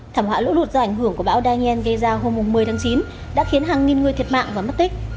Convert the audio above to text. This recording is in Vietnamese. thảm họa lũ lụt do ảnh hưởng của bão daniel gây ra hôm một mươi tháng chín đã khiến hàng nghìn người thiệt mạng và mất tích